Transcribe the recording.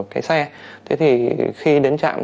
cái xe thế thì khi đến trạm